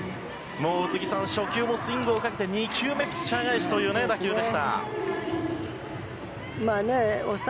もう宇津木さん、初球もスイングをかけて２球目、ピッチャー返しという打球でした。